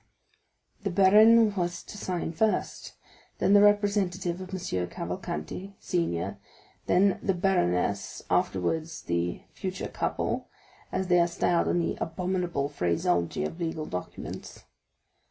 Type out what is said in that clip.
The baron was to sign first, then the representative of M. Cavalcanti, senior, then the baroness, afterwards the "future couple," as they are styled in the abominable phraseology of legal documents.